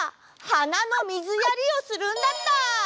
はなのみずやりをするんだった！